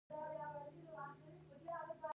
د ناپلیون د واک دوره ده.